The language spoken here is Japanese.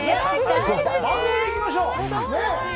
番組で行きましょう！